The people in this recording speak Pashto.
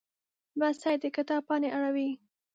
لمسی د کتاب پاڼې اړوي.